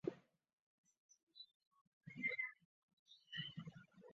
彻里谷是一个位于美国阿肯色州克罗斯县的城市。